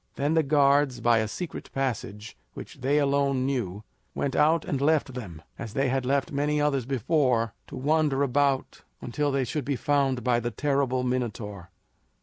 Then the guards, by a secret passage which they alone knew, went out and left them, as they had left many others before, to wander about until they should be found by the terrible Minotaur.